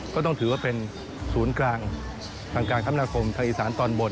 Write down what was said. ก็ต้องถือว่าเป็นศูนย์กลางทางการคมนาคมทางอีสานตอนบน